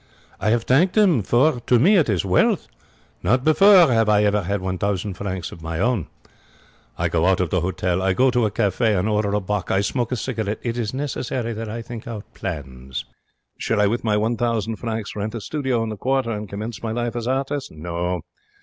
I have thanked him, for to me it is wealth. Not before have I ever had one thousand francs of my own. I go out of the hotel. I go to a cafe and order a bock. I smoke a cigarette. It is necessary that I think out plans. Shall I with my one thousand francs rent a studio in the Quarter and commence my life as artist? No.